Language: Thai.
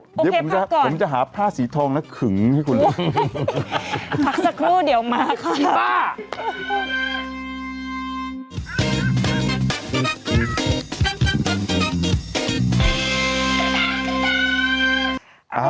โอเคพักก่อนผมจะหาผ้าสีทองแล้วขึงให้คุณด้วยพักสักครู่เดี๋ยวมาค่ะคิดบ้า